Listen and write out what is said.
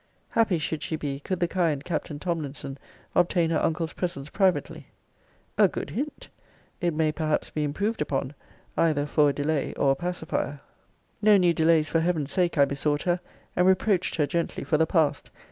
Happy should she be, could the kind Captain Tomlinson obtain her uncle's presence privately. A good hint! It may perhaps be improved upon either for a delay or a pacifier. No new delays for Heaven's sake, I besought her; and reproached her gently for the past.